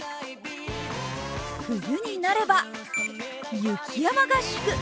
冬になれば、雪山合宿。